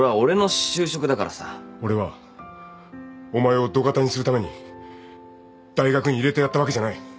俺はお前を土方にするために大学に入れてやったわけじゃない。